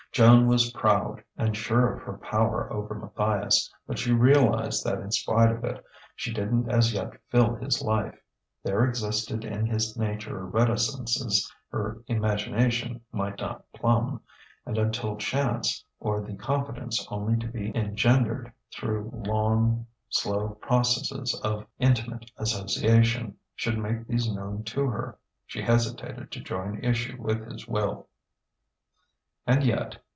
Joan was proud and sure of her power over Matthias, but she realized that in spite of it she didn't as yet fill his life; there existed in his nature reticences her imagination might not plumb; and until chance, or the confidence only to be engendered through long, slow processes of intimate association, should make these known to her, she hesitated to join issue with his will. And yet